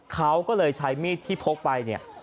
เขาก็เลยใช้มีดที่พกไปเนี่ย